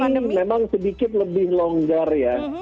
ini memang sedikit lebih longgar ya